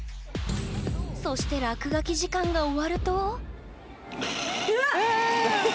そして落書き時間が終わるとうわあ！